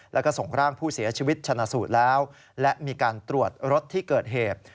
แล้วก็ส่งร่างผู้เสียชีวิตชนะสูตรแล้วและมีการตรวจรถที่เกิดเหตุ